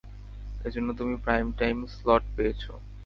এজন্য তুমি prime time slot পেয়েছো।